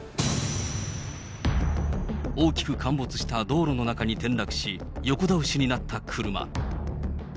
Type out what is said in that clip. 大きく陥没した道路の中に転落し、横倒しになった車。